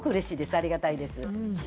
ありがたいです。